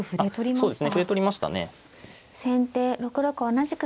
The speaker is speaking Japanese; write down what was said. そうですね。